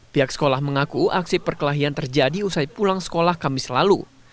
pihak sekolah mengaku aksi perkelahian terjadi usai pulang sekolah kami selalu